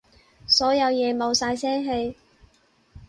所有嘢冇晒聲氣